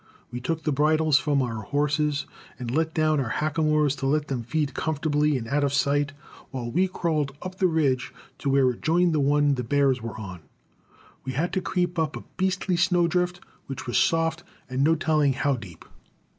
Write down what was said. We took the bridles from our horses and let down our hacamores, to let them feed comfortably and out of sight, while we crawled up the ridge to where it joined the one the bears were on. We had to creep up a beastly snow drift, which was soft and no telling how deep.